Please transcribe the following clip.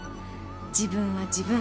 自分は自分。